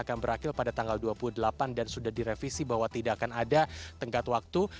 akan berakhir pada tanggal dua puluh delapan dan sudah direvisi bahwa tidak akan ada tenggat waktu